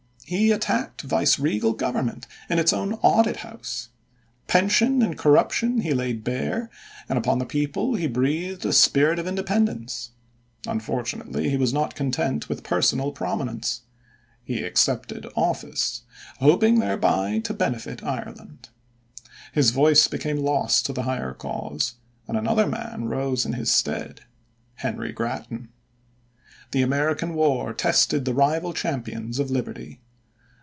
He attacked vice regal government in its own audit house. Pension and corruption he laid bare, and upon the people he breathed a spirit of independence. Unfortunately he was not content with personal prominence. He accepted office, hoping thereby to benefit Ireland. His voice became lost to the higher cause, and another man rose in his stead, Henry Grattan. The American war tested the rival champions of Liberty.